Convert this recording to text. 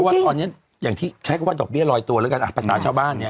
เพราะว่าตอนนี้อย่างที่แท็กก็ว่าดอกเบี้ยรอยตัวแล้วกันอ่ะปัญหาชาวบ้านเนี่ย